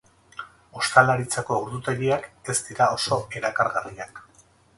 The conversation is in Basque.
Ostalaritzako ordutegiak ez dira oso erakargarriak.